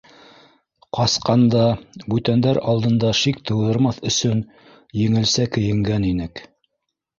— Ҡасҡанда, бүтәндәр алдында шик тыуҙырмаҫ өсөн еңелсә кейенгән инек.